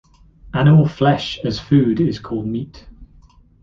Animal flesh, as food, is called meat.